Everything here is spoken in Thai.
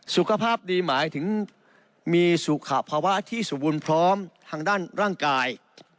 สุขภาพดีหมายถึงมีสุขภาวะที่สมบูรณ์พร้อมทางด้านร่างกาย